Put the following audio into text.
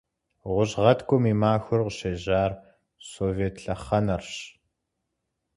Гъущӏ гъэткӏум и махуэр къыщежьар совет лъэхъэнэрщ.